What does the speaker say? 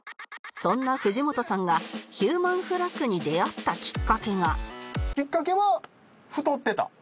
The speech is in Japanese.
そんな藤本さんがヒューマンフラッグに出会ったきっかけがきっかけは太ってた。